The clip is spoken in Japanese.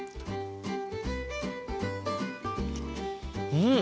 うん！